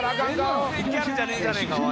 「全然ギャルじゃねえじゃねえかおい」